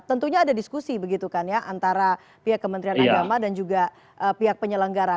tentunya ada diskusi begitu kan ya antara pihak kementerian agama dan juga pihak penyelenggara